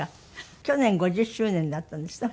去年５０周年だったんですって？